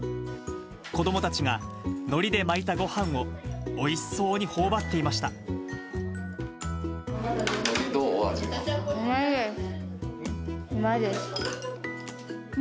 子どもたちがのりで巻いたごはんをおいしそうにほおばっていましどう？